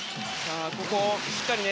ここをしっかりね。